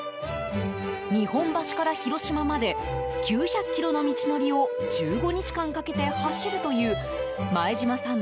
日本橋から広島まで９００ｋｍの道のりを１５日間かけて走るという前島さん